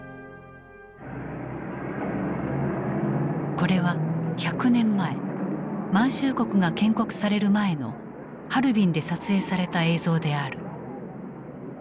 これは１００年前満州国が建国される前のハルビンで撮影された映像である。